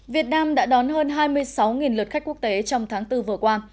việt nam đã đón hơn hai mươi sáu lượt khách quốc tế trong tháng bốn vừa qua